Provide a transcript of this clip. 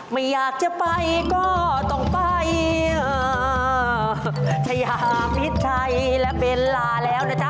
ไม่อยากจะไปก็ต้องไปชายามิดชัยและเบลลาแล้วนะจ๊ะ